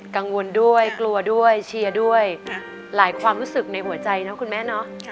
กังวลด้วยกลัวด้วยเชียร์ด้วยหลายความรู้สึกในหัวใจนะคุณแม่เนาะ